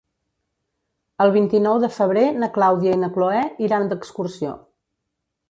El vint-i-nou de febrer na Clàudia i na Cloè iran d'excursió.